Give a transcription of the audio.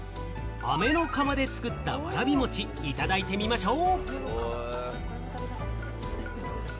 飴の釜で作ったわらびもち、いただいてみましょう。